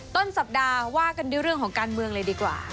ต้นสัปดาห์ว่ากันด้วยเรื่องของการเมืองเลยดีกว่า